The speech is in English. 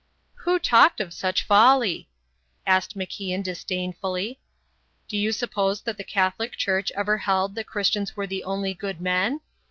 "Who talked of such folly?" asked MacIan disdainfully. "Do you suppose that the Catholic Church ever held that Christians were the only good men?